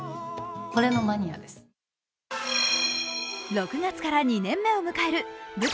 ６月から２年目を迎える舞台